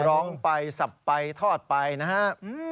ร้องไปซับไปทอดไปนะครับ